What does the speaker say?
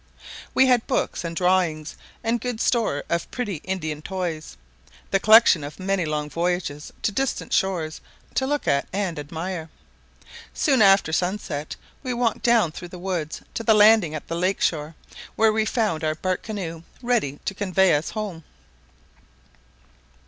We had books and drawings, and good store of pretty Indian toys, the collection of many long voyages to distant shores, to look at and admire. Soon after sun set we walked down through the woods to the landing at the lake shore, where we found our bark canoe ready to convey us home.